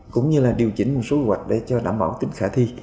cũng như là điều chỉnh một số quy hoạch để cho đảm bảo tính khả thi